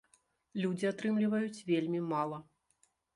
Людзі атрымліваюць вельмі мала.